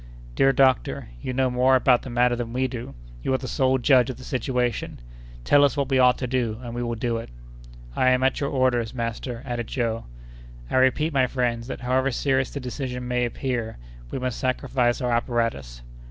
"Dear doctor, you know more about the matter than we do; you are the sole judge of the situation. Tell us what we ought to do, and we will do it." "I am at your orders, master," added Joe. "I repeat, my friends, that however serious the decision may appear, we must sacrifice our apparatus."